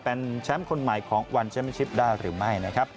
เป็นแชมป์คนใหม่ของวันแชมป์ชิปได้หรือไม่นะครับ